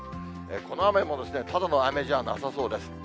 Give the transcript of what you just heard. この雨もただの雨じゃなさそうです。